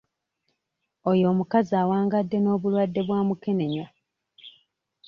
Oyo omukazi awangadde n'obulwadde bwa mukenenya.